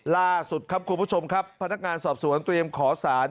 ล่าสุดครับคุณผู้ชมครับพนักงานสอบสวนเตรียมขอสาร